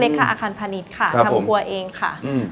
เล็กค่ะอาคารพิวิธีค่ะทำครัวเองค่ะ